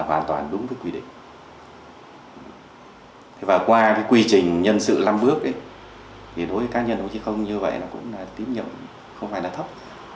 không như vậy là cũng tín nhiệm không phải là thấp